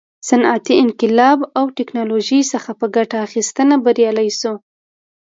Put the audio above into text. صنعتي انقلاب او ټکنالوژۍ څخه په ګټه اخیستنه بریالي شول.